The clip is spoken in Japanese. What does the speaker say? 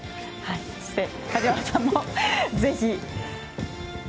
そして、梶原さんもぜひ。